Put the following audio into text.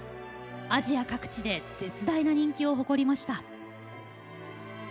アジア各地で絶大な人気を誇りました。